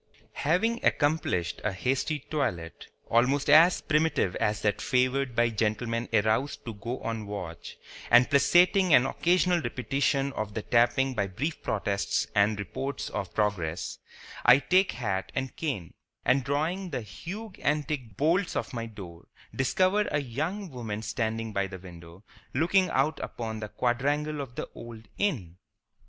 Having accomplished a hasty toilet, almost as primitive as that favored by gentlemen aroused to go on watch, and placating an occasional repetition of the tapping by brief protests and reports of progress, I take hat and cane, and drawing the huge antique bolts of my door, discover a young woman standing by the window looking out upon the quadrangle of the old Inn.